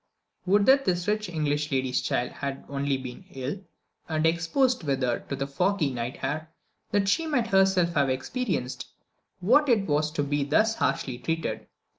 Would that this rich English lady's child had only been ill, and exposed with her to the foggy night air, that she might herself have experienced what it is to be thus harshly treated!